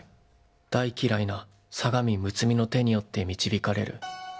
大嫌いな佐上睦実の手によって導かれる。